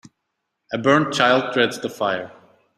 A burnt child dreads the fire.